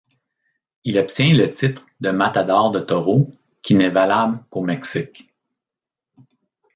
Il obtient le titre de matador de taureaux qui n'est valable qu'au Mexique.